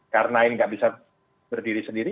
karena ini nggak bisa berdiri sendiri